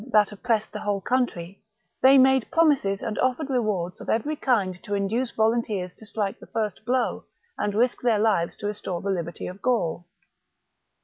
that oppressed the whole country, they made promises and offered rewards of every kind to induce volunteers to strike the first blow and risk their lives to restore the liberty of Gaul.